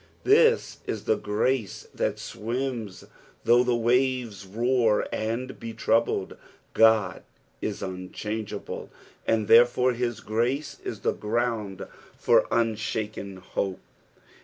This is the grace that swims, though the waves roar and be troubled. Oud is unchangeable, and therefore his grace is the ground for unshaken hope.